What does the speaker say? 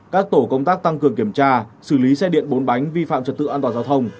các tổ công tác tăng cường kiểm tra xử lý xe điện bốn bánh vi phạm trật tự an toàn giao thông